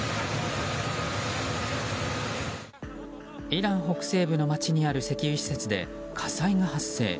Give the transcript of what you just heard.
イラン北西部の街にある石油施設で火災が発生。